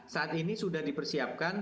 saat ini sudah dipersiapkan